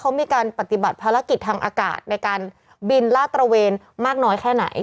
เขามีการปฏิบัติภารกิจทางอากาศในการบินลาดตระเวนมากน้อยแค่ไหน